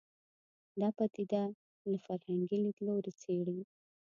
دا پدیده له فرهنګي لید لوري څېړي